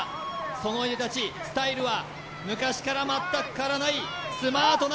そのいでたちスタイルは昔から全く変わらないスマートな